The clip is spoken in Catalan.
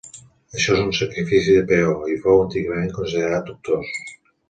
Això és un sacrifici de peó, i fou antigament considerat dubtós.